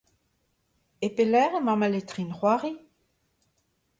E pelec'h emañ ma letrin-c'hoari ?